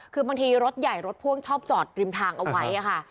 คือบางทีรถใหญ่รถพ่วงชอบจอดริมทางเอาไว้ค่ะ